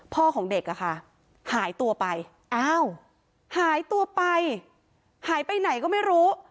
ของเด็กอะค่ะหายตัวไปอ้าวหายตัวไปหายไปไหนก็ไม่รู้